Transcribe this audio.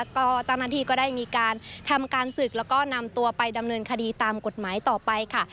ก็เจ้าหน้าที่ก็ได้มีการทำการศึกแล้วก็นำตัวไปดำเนินคดีตามกฎหมายต่อไปค่ะ